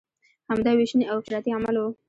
همدا ویشنې او افراطي عمل و.